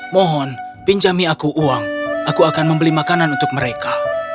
mohon pinjami aku uang aku akan membeli makanan untuk mereka